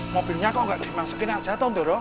mobilnya kok gak dimasukin aja tontoro